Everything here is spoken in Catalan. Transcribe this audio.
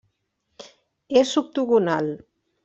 És octogonal.